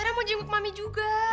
era mau jemput mami juga